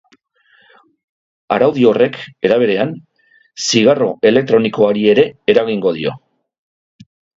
Araudi horrek, era berean, zigarro elektronikoari ere eragingo dio.